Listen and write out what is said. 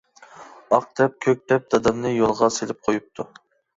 ئاق دەپ، كۆك دەپ دادامنى يولغا سېلىپ قويۇپتۇ.